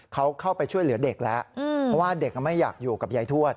เขาเข้าไปช่วยเหลือเด็กแล้วเพราะว่าเด็กไม่อยากอยู่กับยายทวด